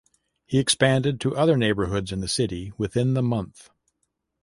He expanded to other neighborhoods in the city within the month.